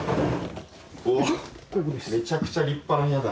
おっめちゃくちゃ立派な部屋だ。